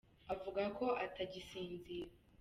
Avuga ko atagisinzira